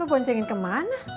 lo bonjongin kemana